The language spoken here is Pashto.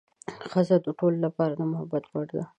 ښځه د ټولو لپاره د محبت وړ ده.